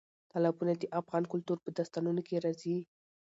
تالابونه د افغان کلتور په داستانونو کې راځي.